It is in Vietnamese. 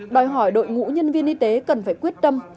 đòi hỏi đội ngũ nhân viên y tế cần phải quyết tâm